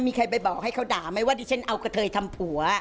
มีใครไปบอกให้เขาด่าไหมว่าดิฉันเอากระเทยทำผัว